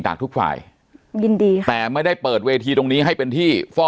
ทุกฝ่ายยินดีค่ะแต่ไม่ได้เปิดเวทีตรงนี้ให้เป็นที่ฟ่อ